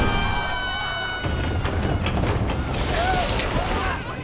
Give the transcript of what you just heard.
・おい